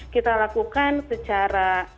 kita lakukan secara